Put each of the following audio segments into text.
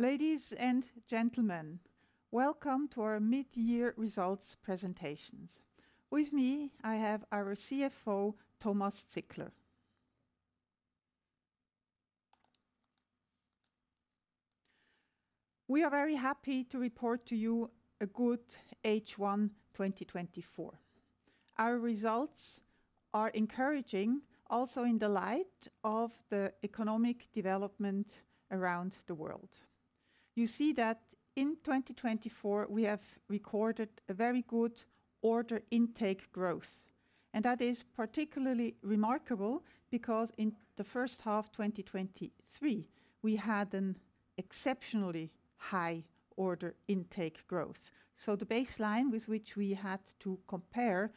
Ladies and gentlemen, welcome to our mid-year results presentations. With me, I have our CFO, Thomas Zickler. We are very happy to report to you a good H1 2024. Our results are encouraging, also in the light of the economic development around the world. You see that in 2024, we have recorded a very good order intake growth, and that is particularly remarkable because in the first half 2023, we had an exceptionally high order intake growth. The baseline with which we had to compare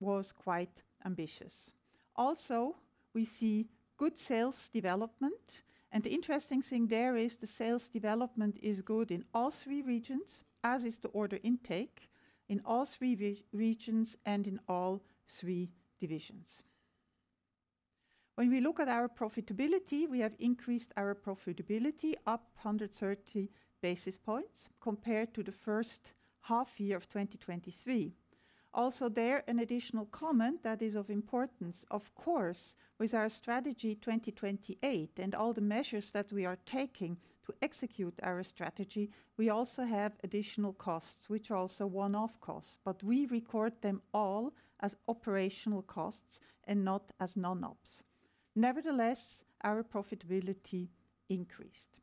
was quite ambitious. Also, we see good sales development, and the interesting thing there is the sales development is good in all three regions, as is the order intake in all three regions and in all three divisions. When we look at our profitability, we have increased our profitability up 130 basis points compared to the first half year of 2023. there is an additional comment that is of importance, of course, with our Strategy 2028 and all the measures that we are taking to execute our strategy, we also have additional costs, which are also one-off costs, but we record them all as operational costs and not as non-ops. Nevertheless, our profitability increased.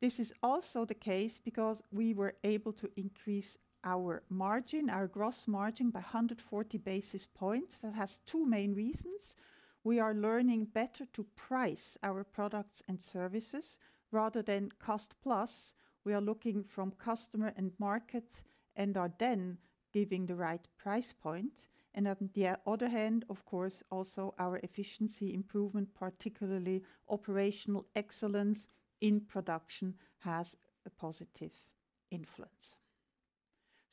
This is also the case because we were able to increase our margin, our gross margin, by 140 basis points. That has two main reasons: We are learning better to price our products and services. Rather than cost plus, we are looking from customer and market and are then giving the right price point. And on the other hand, of course, also our efficiency improvement, particularly operational excellence in production, has a positive influence.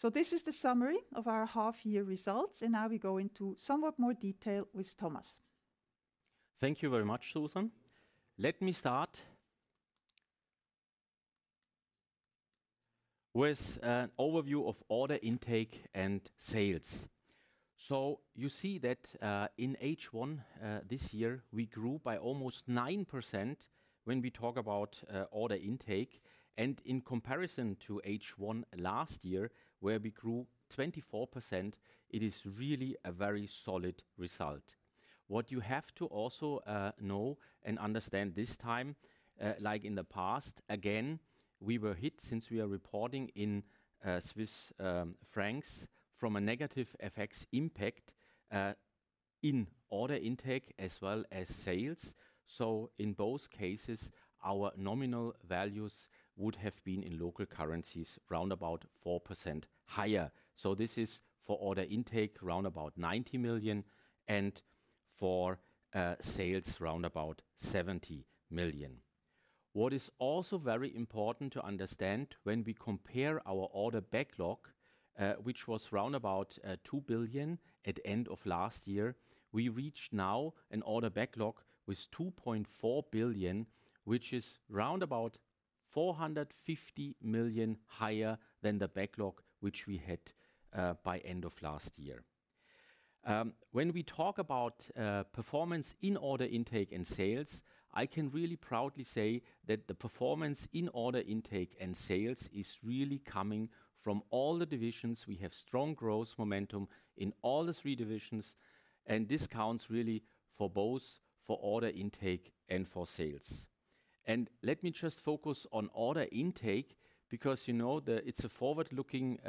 So this is the summary of our half-year results, and now we go into somewhat more detail with Thomas. Thank you very much, Suzanne. Let me start with an overview of order intake and sales. So you see that, in H1, this year, we grew by almost 9% when we talk about, order intake. And in comparison to H1 last year, where we grew 24%, it is really a very solid result. What you have to also, know and understand this time, like in the past, again, we were hit, since we are reporting in, Swiss francs, from a negative FX impact, in order intake as well as sales. So in both cases, our nominal values would have been, in local currencies, round about 4% higher. So this is for order intake, round about 90 million, and for, sales, round about 70 million. What is also very important to understand, when we compare our order backlog, which was round about 2 billion at end of last year, we reach now an order backlog with 2.4 billion, which is round about 450 million higher than the backlog which we had by end of last year. When we talk about performance in order intake and sales, I can really proudly say that the performance in order intake and sales is really coming from all the divisions. We have strong growth momentum in all the three divisions, and this counts really for both for order intake and for sales. And let me just focus on order intake because, you know, it's a forward-looking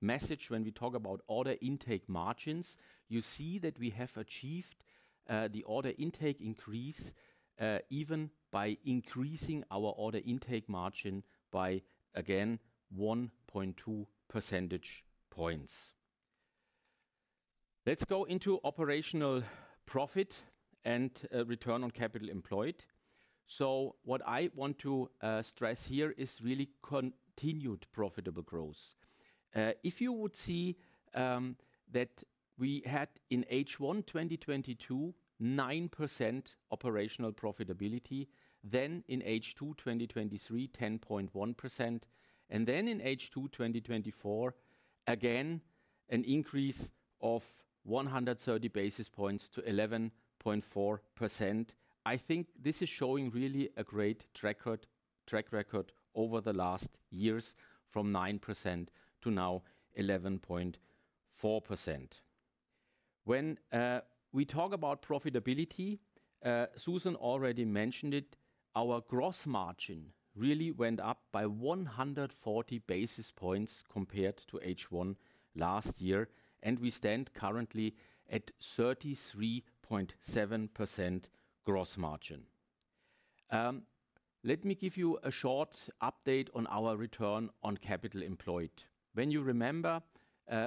message when we talk about order intake margins. You see that we have achieved the order intake increase even by increasing our order intake margin by, again, 1.2 percentage points. Let's go into operational profit and return on capital employed. So what I want to stress here is really continued profitable growth. If you would see that we had in H1 2022, 9% operational profitability, then in H2 2023, 10.1%, and then in H2 2024, again, an increase of 130 basis points to 11.4%. I think this is showing really a great track record over the last years, from 9% to now 11.4%. When we talk about profitability, Suzanne already mentioned it, our gross margin really went up by 140 basis points compared to H1 last year, and we stand currently at 33.7% gross margin. Let me give you a short update on our Return on Capital Employed. When you remember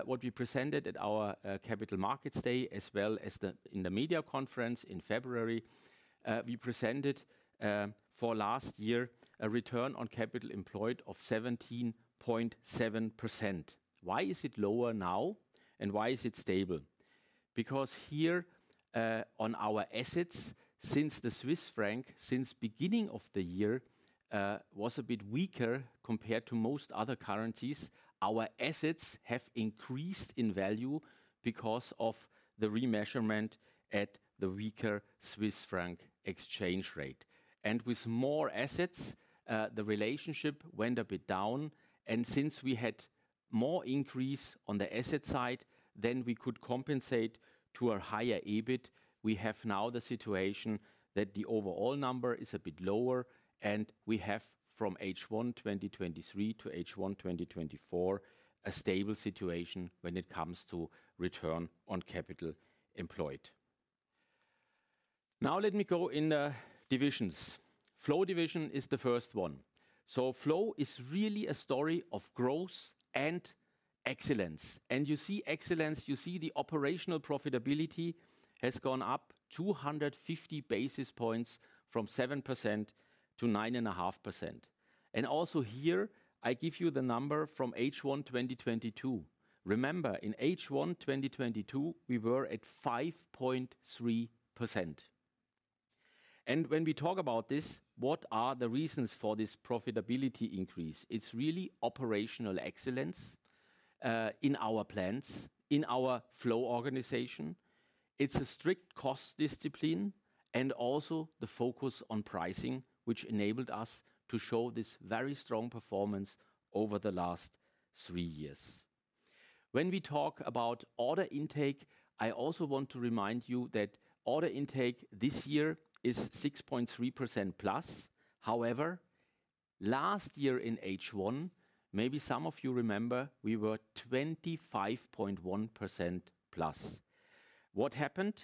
what we presented at our Capital Markets Day, as well as in the media conference in February, we presented for last year a Return on Capital Employed of 17.7%. Why is it lower now, and why is it stable? Because here on our assets, since the Swiss franc since beginning of the year was a bit weaker compared to most other currencies, our assets have increased in value because of the remeasurement at the weaker Swiss franc exchange rate. And with more assets, the relationship went a bit down, and since we had more increase on the asset side than we could compensate to a higher EBIT, we have now the situation that the overall number is a bit lower, and we have from H1 2023 to H1 2024, a stable situation when it comes to return on capital employed. Now let me go in the divisions. Flow Division is the first one. So Flow is really a story of growth and excellence. And you see excellence, you see the operational profitability has gone up 250 basis points from 7% to 9.5%. And also here, I give you the number from H1 2022. Remember, in H1 2022, we were at 5.3%. And when we talk about this, what are the reasons for this profitability increase? It's really operational excellence in our plants, in our Flow organization. It's a strict cost discipline and also the focus on pricing, which enabled us to show this very strong performance over the last three years. When we talk about order intake, I also want to remind you that order intake this year is 6.3%+. However, last year in H1, maybe some of you remember, we were 25.1%+. What happened?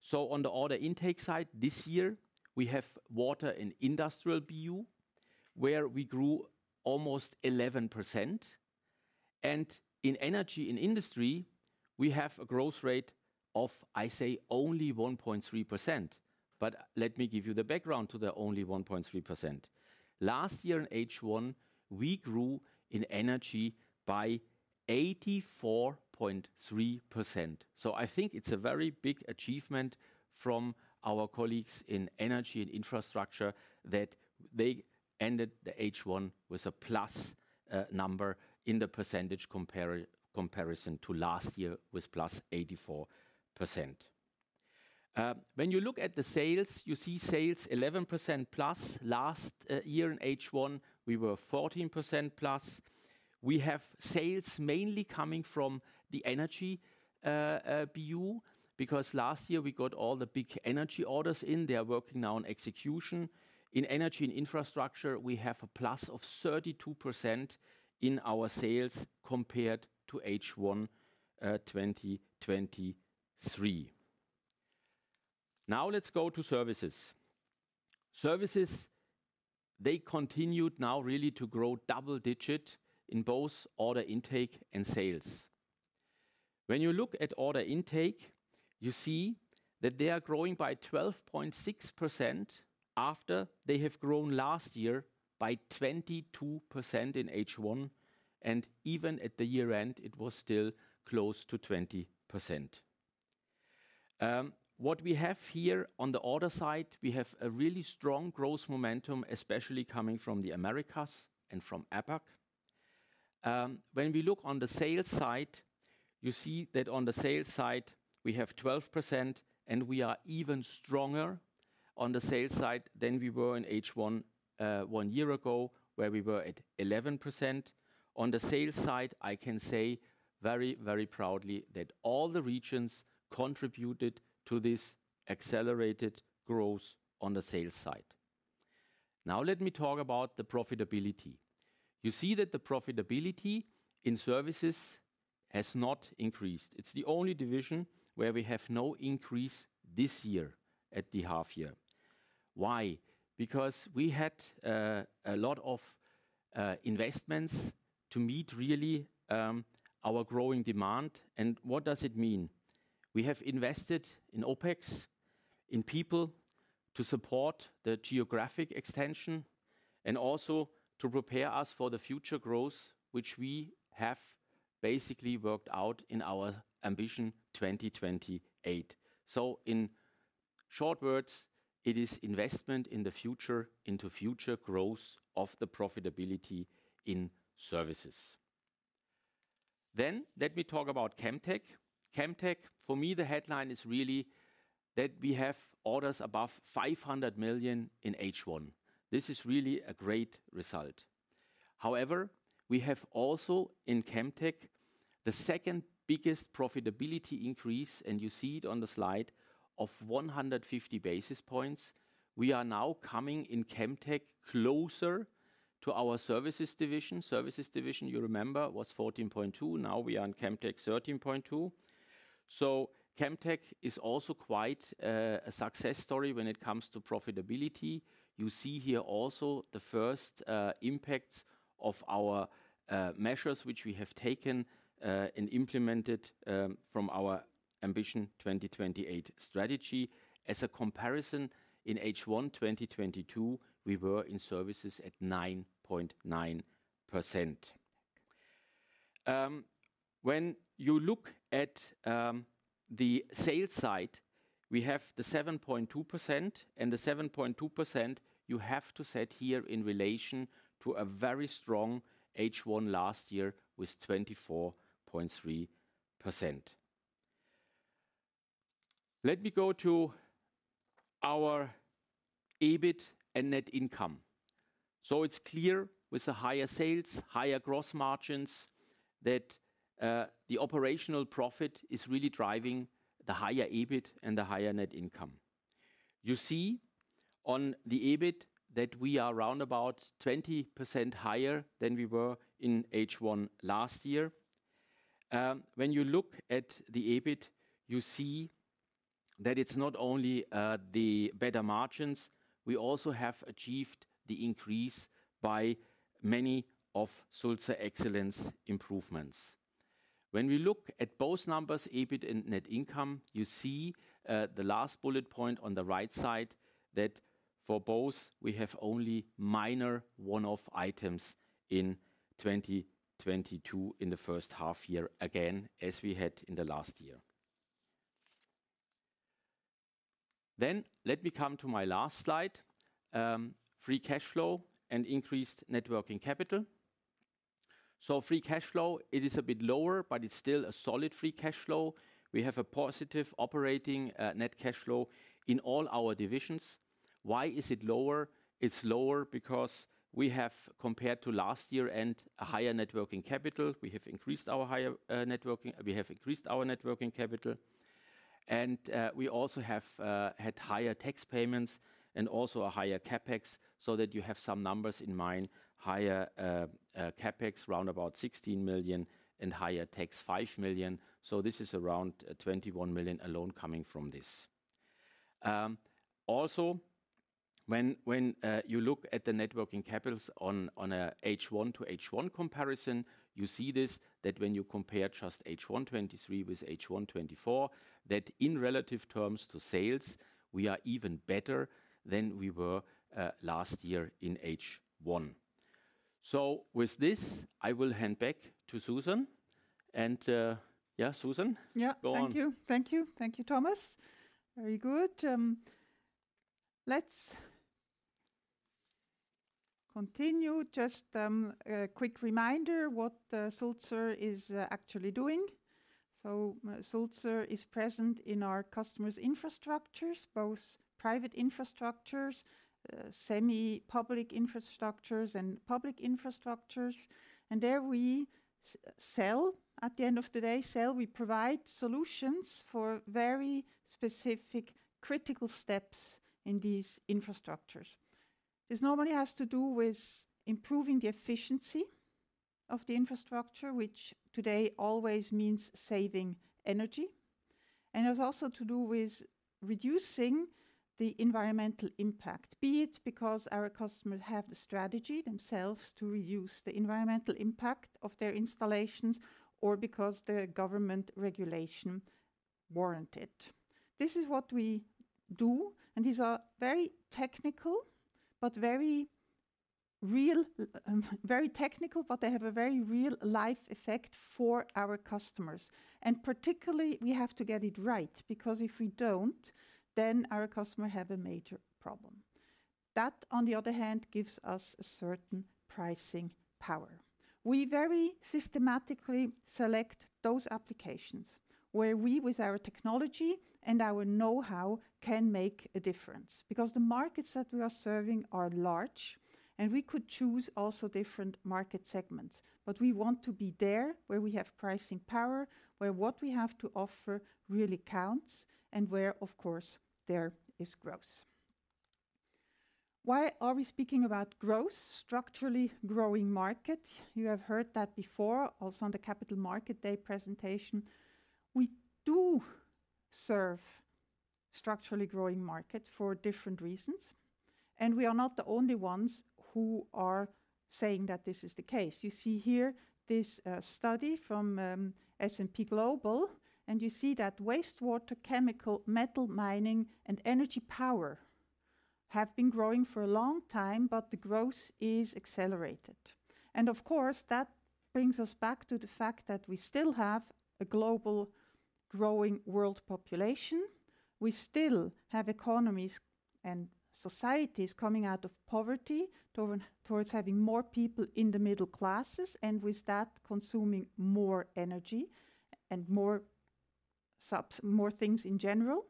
So on the order intake side, this year, we have water in Industrial BU, where we grew almost 11%. And in energy, in industry, we have a growth rate of, I say, only 1.3%, but let me give you the background to the only 1.3%. Last year in H1, we grew in energy by 84.3%. So I think it's a very big achievement from our colleagues in energy and infrastructure that they ended the H1 with a plus number in the percentage comparison to last year with plus 84%. When you look at the sales, you see sales 11% plus. Last year in H1, we were 14% plus. We have sales mainly coming from the energy BU, because last year we got all the big energy orders in. They are working now on execution. In energy and infrastructure, we have a plus of 32% in our sales compared to H1 2023. Now let's go to services. Services, they continued now really to grow double-digit in both order intake and sales. When you look at order intake, you see that they are growing by 12.6% after they have grown last year by 22% in H1, and even at the year-end, it was still close to 20%. What we have here on the order side, we have a really strong growth momentum, especially coming from the Americas and from APAC. When we look on the sales side, you see that on the sales side, we have 12%, and we are even stronger on the sales side than we were in H1 one year ago, where we were at 11%. On the sales side, I can say very, very proudly that all the regions contributed to this accelerated growth on the sales side. Now, let me talk about the profitability. You see that the profitability in services has not increased. It's the only division where we have no increase this year at the half year. Why? Because we had a lot of investments to meet really our growing demand. And what does it mean? We have invested in OpEx, in people, to support the geographic extension and also to prepare us for the future growth, which we have basically worked out in our Ambition 2028. So in short words, it is investment in the future, into future growth of the profitability in services. Then let me talk about Chemtech. Chemtech, for me, the headline is really that we have orders above 500 million in H1. This is really a great result. However, we have also in Chemtech, the second biggest profitability increase, and you see it on the slide, of 150 basis points. We are now coming in Chemtech closer to our Services Division. Services Division, you remember, was 14.2. Now we are in Chemtech, 13.2. So Chemtech is also quite a success story when it comes to profitability. You see here also the first impacts of our measures, which we have taken and implemented from our Ambition 2028 strategy. As a comparison, in H1 2022, we were in services at 9.9%.... When you look at the sales side, we have the 7.2%, and the 7.2% you have to set here in relation to a very strong H1 last year with 24.3%. Let me go to our EBIT and net income. So it's clear with the higher sales, higher gross margins, that, the operational profit is really driving the higher EBIT and the higher net income. You see on the EBIT that we are around about 20% higher than we were in H1 last year. When you look at the EBIT, you see that it's not only, the better margins, we also have achieved the increase by many of Sulzer Excellence improvements. When we look at both numbers, EBIT and net income, you see, the last bullet point on the right side, that for both, we have only minor one-off items in 2022, in the first half year, again, as we had in the last year. Then let me come to my last slide. Free Cash Flow and increased Net Working Capital. So Free Cash Flow, it is a bit lower, but it's still a solid Free Cash Flow. We have a positive operating net cash flow in all our divisions. Why is it lower? It's lower because we have, compared to last year, a higher net working capital. We have increased our net working capital, and we also have had higher tax payments and also a higher CapEx, so that you have some numbers in mind, higher CapEx, around about 16 million, and higher tax, 5 million. So this is around 21 million alone coming from this. Also, when you look at the Net Working Capital on a H1 to H1 comparison, you see this, that when you compare just H1 2023 with H1 2024, that in relative terms to sales, we are even better than we were last year in H1. So with this, I will hand back to Suzanne, and yeah, Suzanne? Yeah. Go on. Thank you. Thank you. Thank you, Thomas. Very good. Let's continue. Just a quick reminder what Sulzer is actually doing. So, Sulzer is present in our customers' infrastructures, both private infrastructures, semi-public infrastructures, and public infrastructures. And there we sell, at the end of the day, sell. We provide solutions for very specific, critical steps in these infrastructures. This normally has to do with improving the efficiency of the infrastructure, which today always means saving energy, and it's also to do with reducing the environmental impact, be it because our customers have the strategy themselves to reduce the environmental impact of their installations or because the government regulation warrant it. This is what we do, and these are very technical, but very real, very technical, but they have a very real life effect for our customers. And particularly, we have to get it right, because if we don't, then our customer have a major problem. That, on the other hand, gives us a certain pricing power. We very systematically select those applications where we, with our technology and our know-how, can make a difference, because the markets that we are serving are large, and we could choose also different market segments. But we want to be there, where we have pricing power, where what we have to offer really counts, and where, of course, there is growth. Why are we speaking about growth, structurally growing market? You have heard that before, also on the Capital Market Day presentation. We do serve structurally growing markets for different reasons, and we are not the only ones who are saying that this is the case. You see here this study from S&P Global, and you see that wastewater, chemical, metal mining, and energy power have been growing for a long time, but the growth is accelerated. And of course, that brings us back to the fact that we still have a global growing world population. We still have economies and societies coming out of poverty towards having more people in the middle classes, and with that, consuming more energy and more stuff, more things in general.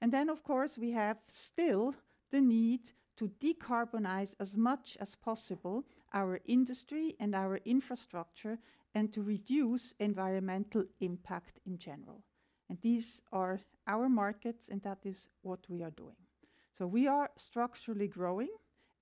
And then, of course, we have still the need to decarbonize as much as possible our industry and our infrastructure and to reduce environmental impact in general. And these are our markets, and that is what we are doing. So we are structurally growing,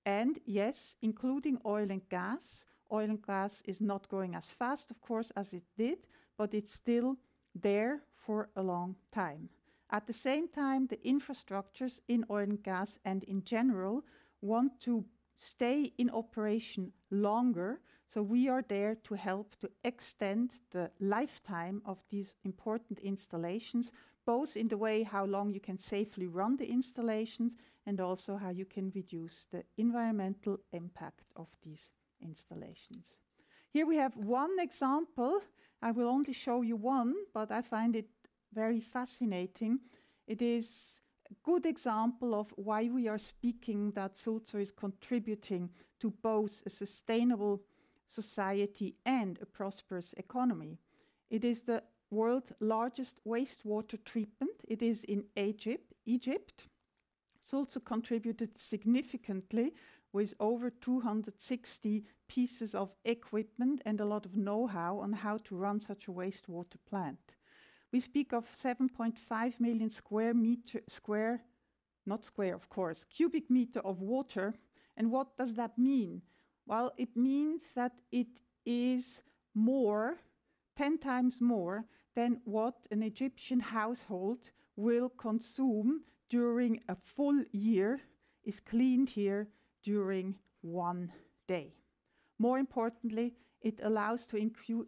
and yes, including oil and gas. Oil and gas is not growing as fast, of course, as it did, but it's still there for a long time. At the same time, the infrastructures in oil and gas, and in general, want to stay in operation longer. So we are there to help to extend the lifetime of these important installations, both in the way how long you can safely run the installations and also how you can reduce the environmental impact of these installations. Here we have one example. I will only show you one, but I find it very fascinating. It is a good example of why we are speaking that Sulzer is contributing to both a sustainable society and a prosperous economy. It is the world's largest wastewater treatment. It is in Egypt, Egypt. Sulzer contributed significantly with over 260 pieces of equipment and a lot of know-how on how to run such a wastewater plant. We speak of 7.5 million square meter-- square, not square, of course, cubic meter of water. And what does that mean? Well, it means that it is more, 10 times more, than what an Egyptian household will consume during a full year, is cleaned here during one day. More importantly, it allows to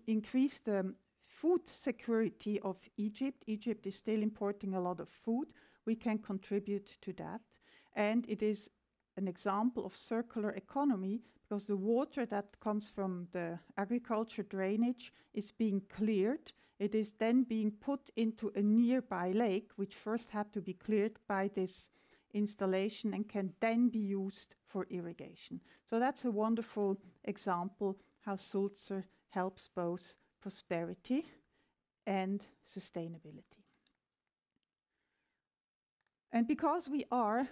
increase the food security of Egypt. Egypt is still importing a lot of food. We can contribute to that, and it is an example of circular economy because the water that comes from the agriculture drainage is being cleared. It is then being put into a nearby lake, which first had to be cleared by this installation and can then be used for irrigation. So that's a wonderful example how Sulzer helps both prosperity and sustainability. And because we are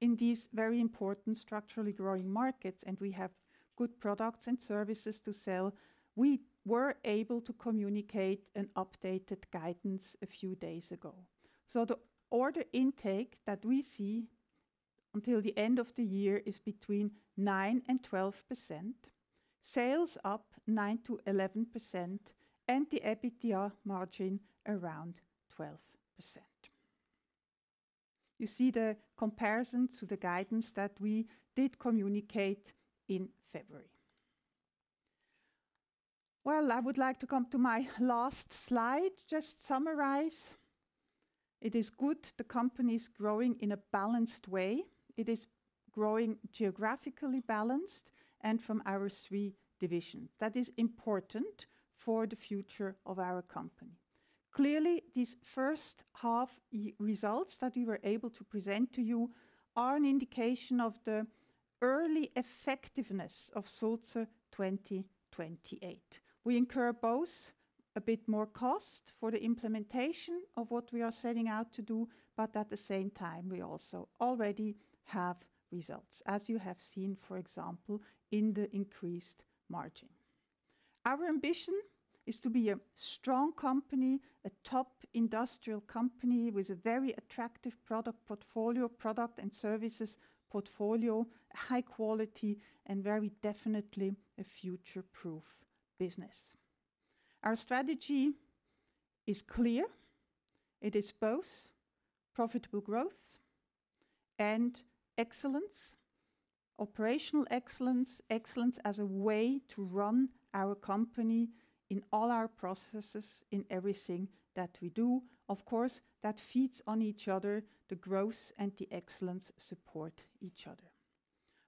in these very important structurally growing markets, and we have good products and services to sell, we were able to communicate an updated guidance a few days ago. So the order intake that we see until the end of the year is between 9% and 12%. Sales up 9%-11%, and the EBITDA margin around 12%. You see the comparison to the guidance that we did communicate in February. Well, I would like to come to my last slide. Just summarize, it is good the company is growing in a balanced way. It is growing geographically balanced and from our three divisions. That is important for the future of our company. Clearly, these first half results that we were able to present to you are an indication of the early effectiveness of Sulzer 2028. We incur both a bit more cost for the implementation of what we are setting out to do, but at the same time, we also already have results, as you have seen, for example, in the increased margin. Our ambition is to be a strong company, a top industrial company with a very attractive product portfolio, product and services portfolio, high quality, and very definitely a future-proof business. Our strategy is clear. It is both profitable growth and excellence, operational excellence, excellence as a way to run our company in all our processes, in everything that we do. Of course, that feeds on each other. The growth and the excellence support each other.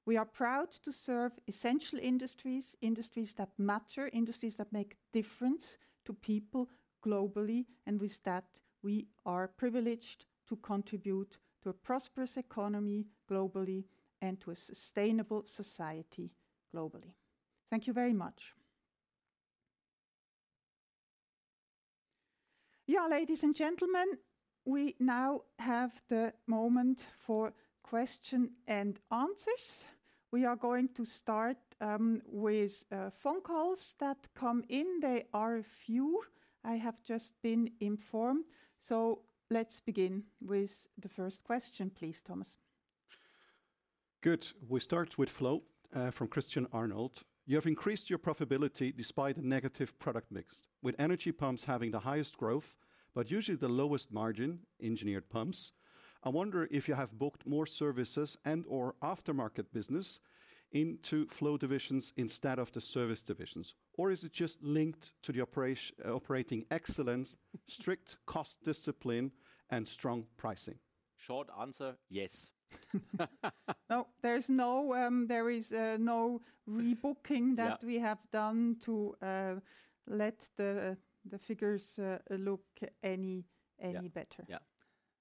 We are proud to serve essential industries, industries that matter, industries that make difference to people globally, and with that, we are privileged to contribute to a prosperous economy globally and to a sustainable society globally. Thank you very much. Yeah, ladies and gentlemen, we now have the moment for question and answers. We are going to start with phone calls that come in. There are a few, I have just been informed. So let's begin with the first question, please, Thomas. Good. We start with Flow from Christian Arnold. You have increased your profitability despite a negative product mix, with energy pumps having the highest growth, but usually the lowest margin, engineered pumps. I wonder if you have booked more services and/or aftermarket business into Flow divisions instead of the service divisions, or is it just linked to the operating excellence, strict cost discipline, and strong pricing? Short answer, yes. No, there's no rebooking- Yeah... that we have done to let the figures look any better. Yeah, yeah.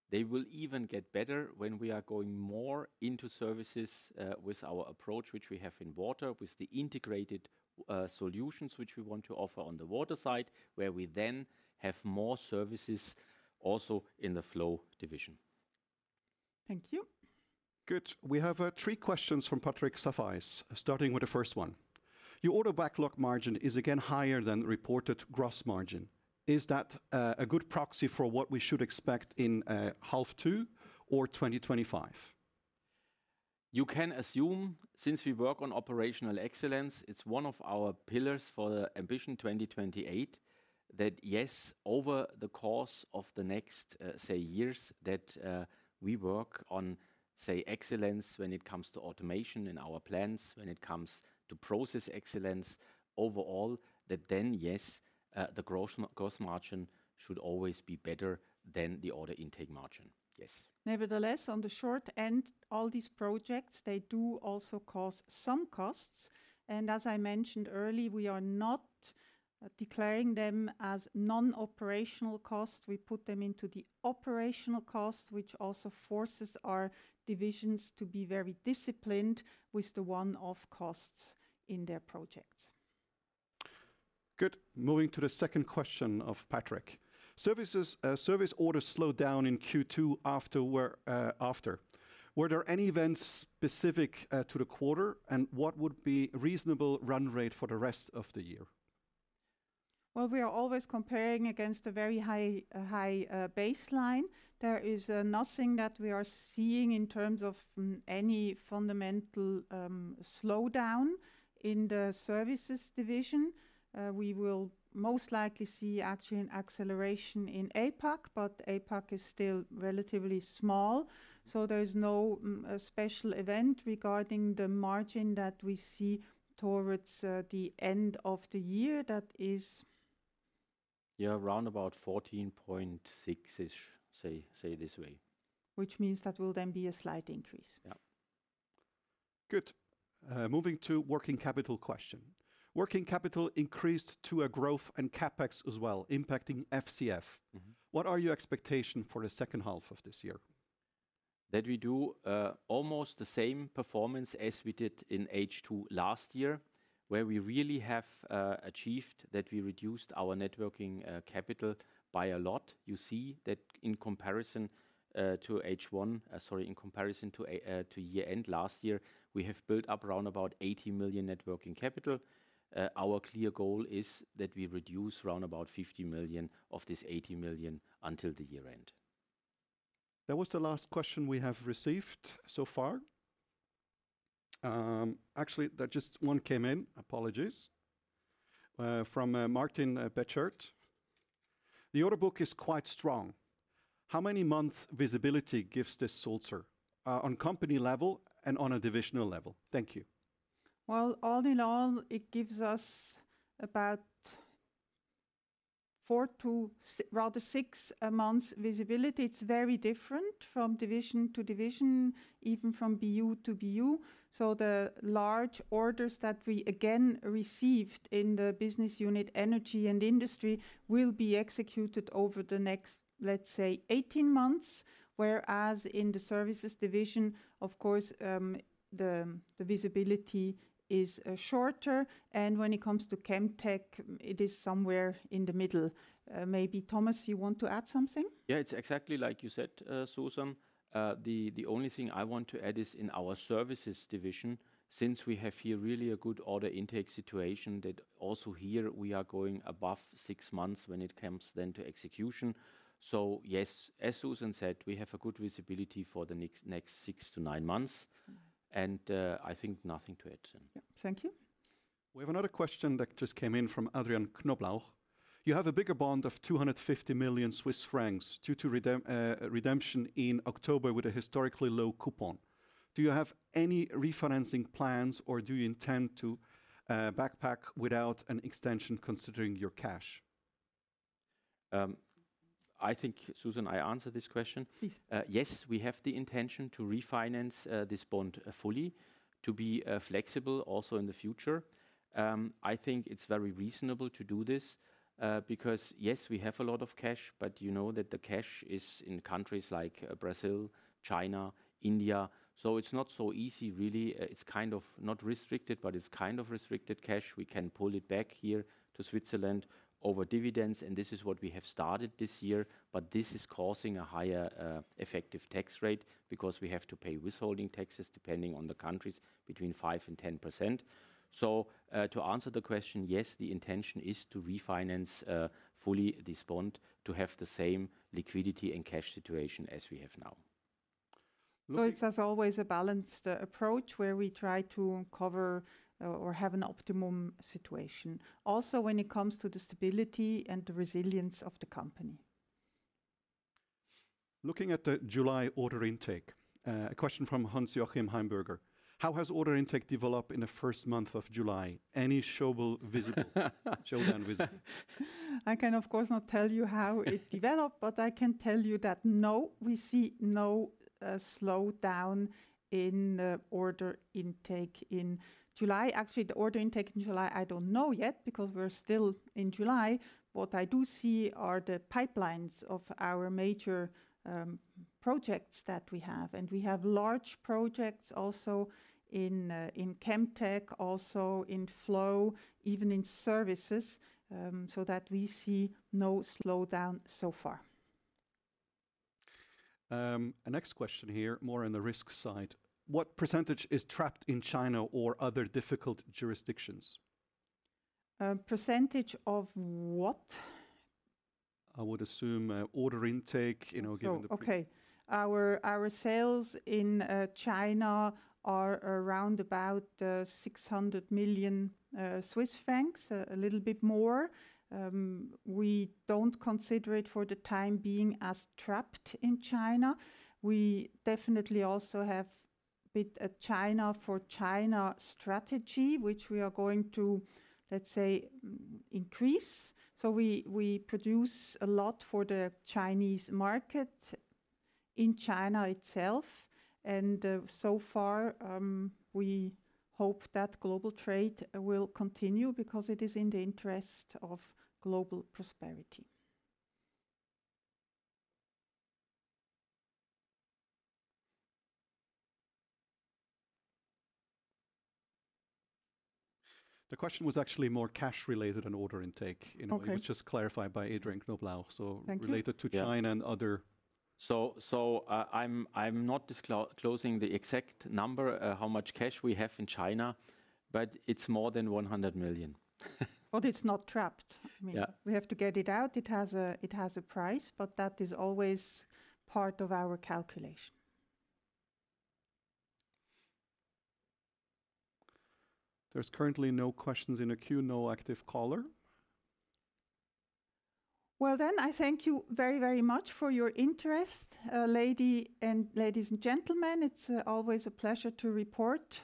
They will even get better when we are going more into services, with our approach, which we have in water, with the integrated solutions which we want to offer on the water side, where we then have more services also in the Flow Division. Thank you. Good. We have three questions from Patrick Rafaisz. Starting with the first one. Your order backlog margin is again higher than the reported gross margin. Is that a good proxy for what we should expect in half two or 2025? You can assume, since we work on operational excellence, it's one of our pillars for the Ambition 2028, that yes, over the course of the next, say, years, that we work on, say, excellence when it comes to automation in our plants, when it comes to process excellence overall, that then, yes, the gross margin should always be better than the order intake margin. Yes. Nevertheless, on the short end, all these projects, they do also cause some costs. As I mentioned early, we are not declaring them as non-operational costs. We put them into the operational costs, which also forces our divisions to be very disciplined with the one-off costs in their projects. Good. Moving to the second question of Patrick. Services. Service orders slowed down in Q2 after where, after. Were there any events specific to the quarter? And what would be reasonable run rate for the rest of the year? Well, we are always comparing against a very high baseline. There is nothing that we are seeing in terms of any fundamental slowdown in the Services Division. We will most likely see actually an acceleration in APAC, but APAC is still relatively small, so there is no special event regarding the margin that we see towards the end of the year. That is- Yeah, round about 14.6-ish, say this way. Which means that will then be a slight increase. Yeah. Good. Moving to working capital question. Working capital increased to a growth and CapEx as well, impacting FCF. Mm-hmm. What are your expectation for the second half of this year? That we do almost the same performance as we did in H2 last year, where we really have achieved that we reduced our Net Working Capital by a lot. You see that in comparison to H1. Sorry, in comparison to year-end last year, we have built up round about 80 million Net Working Capital. Our clear goal is that we reduce round about 50 million of this 80 million until the year end. That was the last question we have received so far. Actually, there just one came in, apologies, from Martin Bechert. The order book is quite strong. How many months visibility gives this Sulzer on company level and on a divisional level? Thank you. Well, all in all, it gives us about 4-6 months visibility. It's very different from division to division, even from BU to BU. So the large orders that we again received in the business unit, energy and industry, will be executed over the next, let's say, 18 months. Whereas in the Services Division, of course, the visibility is shorter, and when it comes to Chemtech, it is somewhere in the middle. Maybe, Thomas, you want to add something? Yeah, it's exactly like you said, Suzanne. The only thing I want to add is in our Services Division, since we have here really a good order intake situation, that also here we are going above six months when it comes then to execution. So yes, as Suzanne said, we have a good visibility for the next, next six to nine months- 6-9 ... and, I think nothing to add to. Yeah. Thank you. We have another question that just came in from Adrian Knoblauch. You have a bigger bond of 250 million Swiss francs due to redemption in October with a historically low coupon. Do you have any refinancing plans, or do you intend to pay back without an extension, considering your cash? I think, Suzanne, I answered this question. Please. Yes, we have the intention to refinance this bond fully to be flexible also in the future. I think it's very reasonable to do this because, yes, we have a lot of cash, but you know that the cash is in countries like Brazil, China, India, so it's not so easy really. It's kind of not restricted, but it's kind of restricted cash. We can pull it back here to Switzerland over dividends, and this is what we have started this year. But this is causing a higher effective tax rate because we have to pay withholding taxes, depending on the countries, between 5% and 10%. So, to answer the question, yes, the intention is to refinance fully this bond to have the same liquidity and cash situation as we have now. It's as always, a balanced approach, where we try to cover or have an optimum situation. Also, when it comes to the stability and the resilience of the company. Looking at the July order intake, a question from Hans-Joachim Heimbürger: How has order intake developed in the first month of July? Any slowdown visible. I can, of course, not tell you how it developed, but I can tell you that no, we see no slowdown in order intake in July. Actually, the order intake in July, I don't know yet, because we're still in July. What I do see are the pipelines of our major projects that we have. And we have large projects also in Chemtech, also in Flow, even in Services, so that we see no slowdown so far. The next question here, more on the risk side. What percentage is trapped in China or other difficult jurisdictions? Percentage of what? I would assume, order intake, you know, given the- Okay. Our sales in China are around about 600 million Swiss francs, a little bit more. We don't consider it for the time being as trapped in China. We definitely also have a China for China strategy, which we are going to, let's say, increase. So we produce a lot for the Chinese market in China itself, and so far, we hope that global trade will continue because it is in the interest of global prosperity. The question was actually more cash related than order intake- Okay. You know, it was just clarified by Adrian Knobloch, so- Thank you. Related to China- Yeah... and other. I'm not disclosing the exact number how much cash we have in China, but it's more than 100 million. But it's not trapped. Yeah. I mean, we have to get it out. It has a price, but that is always part of our calculation. There's currently no questions in the queue, no active caller. Well, then, I thank you very, very much for your interest, ladies and gentlemen. It's always a pleasure to report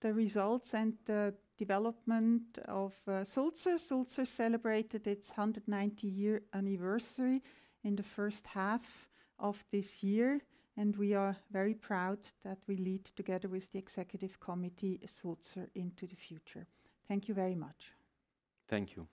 the results and the development of Sulzer. Sulzer celebrated its 190-year anniversary in the first half of this year, and we are very proud that we lead together with the executive committee Sulzer into the future. Thank you very much. Thank you.